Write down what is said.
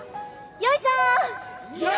よいしょ！